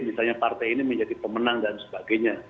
misalnya partai ini menjadi pemenang dan sebagainya